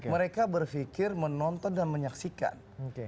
mereka berpikir menonton dan menyaksikan